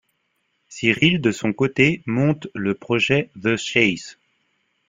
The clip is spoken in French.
Cyril de son côté monte le projet The Chase.